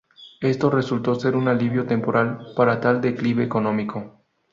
Esto resultó ser un alivio temporal para tal declive económico.